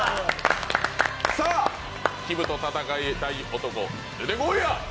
さあ、きむと戦いたい男、出てこいや！